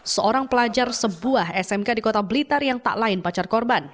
seorang pelajar sebuah smk di kota blitar yang tak lain pacar korban